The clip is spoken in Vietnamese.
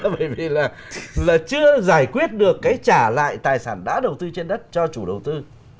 bởi vì là chưa giải quyết được cái trả lại tài sản đã đầu tư trên đất cho chủ đầu tư